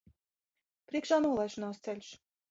Priekšā nolaišanās ceļš.